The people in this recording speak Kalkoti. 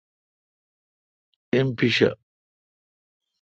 ایم پیݭا ۔